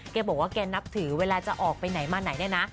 แกบอกว่าแกนับถือเวลาจะออกไปไหนมาไหนเนี่ยนะ